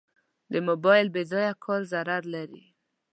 د موبایل بېځایه کار ضرر لري.